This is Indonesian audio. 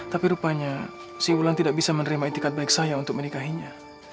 tapi rupanya si wulan tidak bisa menerima etikat baik saya untuk menikahinya